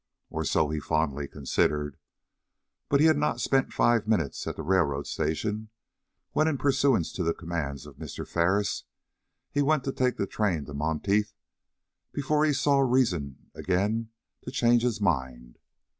Or so he fondly considered. But he had not spent five minutes at the railroad station, where, in pursuance to the commands of Mr. Ferris, he went to take the train for Monteith, before he saw reason to again change his mind.